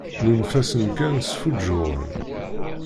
Nunef-asen kan sfuǧǧuɣen.